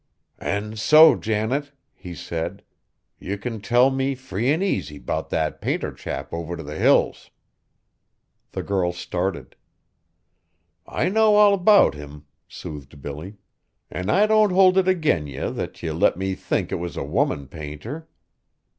"An' so, Janet," he said, "ye can tell me free an' easy 'bout that painter chap over t' the Hills!" The girl started. "I know all 'bout him," soothed Billy, "an' I don't hold it agin ye that ye let me think it was a woman painter.